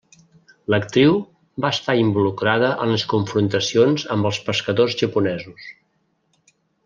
L'actriu va estar involucrada en les confrontacions amb els pescadors japonesos.